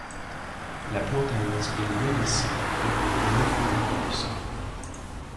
La plante a un aspect lianescent mais peut également former des buissons bas.